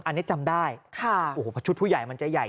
อันนี้จำได้โอ้โหชุดผู้ใหญ่มันจะใหญ่